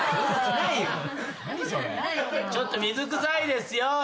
ちょっと水くさいですよ。